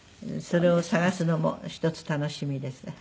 それを探すのも一つ楽しみですね。